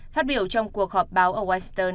phát biểu trong cuộc họp báo ở western